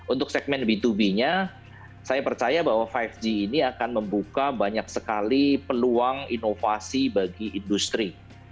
untuk segmen b dua b nya saya percaya bahwa lima g ini akan membuka banyak sekali peluang inovasi bagi industri